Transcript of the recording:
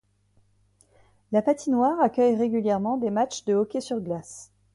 La patinoire accueille régulièrement des matchs de hockey sur glace.